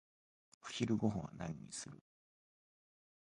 お昼ごはんは何にする？